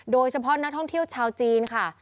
โดยเฉพาะนักท่องเที่ยวชาวจีนค่ะ